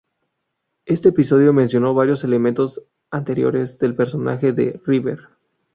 Este episodio menciona varios elementos anteriores del personaje de River.